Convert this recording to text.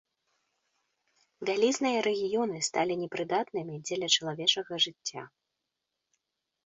Вялізныя рэгіёны сталі непрыдатнымі дзеля чалавечага жыцця.